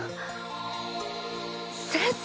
先生